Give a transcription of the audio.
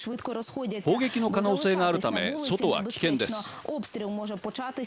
砲撃の可能性があるため外は危険です。